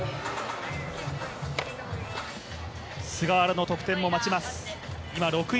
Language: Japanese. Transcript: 菅原の得点を待ちます。